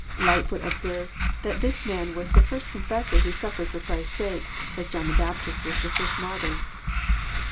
Lightfoot observes that this man was the first confessor who suffered for Christ's sake, as John the Baptist was the first martyr.